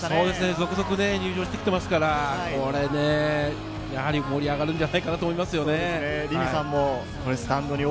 続々入場してきてますから、やはり盛り上がるんじゃないかなと思いますね。